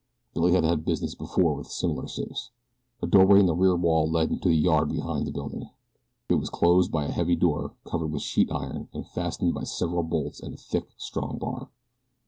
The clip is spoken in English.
Billy had had business before with similar safes. A doorway in the rear wall led into the yard behind the building. It was closed by a heavy door covered with sheet iron and fastened by several bolts and a thick, strong bar.